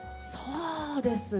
そうですね